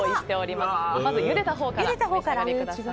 まず、ゆでたほうからお召し上がりください。